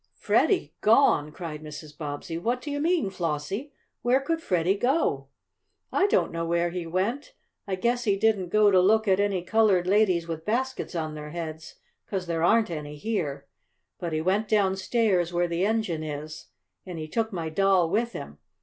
"Freddie gone!" cried Mrs. Bobbsey. "What do you mean, Flossie? Where could Freddie go?" "I don't know where he went. I guess he didn't go to look at any colored ladies with baskets on their heads, 'cause there aren't any here. But he went downstairs, where the engine is, and he took my doll with him.